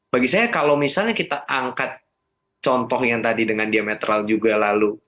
bagi saya kalau misalnya kita angkat contoh yang tadi dengan diametral juga lalu